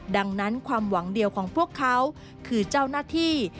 ดังนั้นความหวังเดียวของพวกเขาคือเจ้าหน้าที่